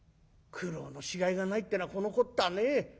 苦労のしがいがないってのはこのこったねえ。